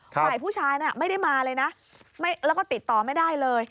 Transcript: ฝ่ายผู้ชายน่ะไม่ได้มาเลยนะแล้วก็ติดต่อไม่ได้เลย